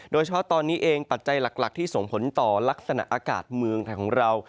โดยเฉพาะตอนนี้เองปัจจัยหลักที่ส่งผลต่อลักษณะอากาศเมืองไทยของเรา